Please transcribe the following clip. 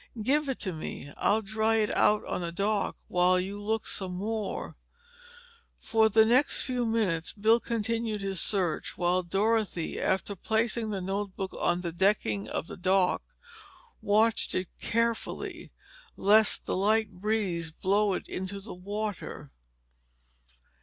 "Give it to me. I'll dry it out on the dock while you look some more." For the next few minutes Bill continued his search while Dorothy after placing the notebook on the decking of the dock watched it carefully, lest the light breeze blow it into the water.